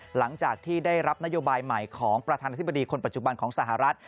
หลังจากที่ได้รับนโยบายใหม่ของประธานาธิบดีคนปัจจุบันของสหรัฐ